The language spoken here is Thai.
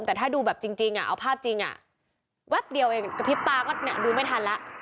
แต่ถ้าดูแบบจริงเอาภาพจริงแวบเดียวเองกระพริบตาก็ดูไม่ทันแล้ว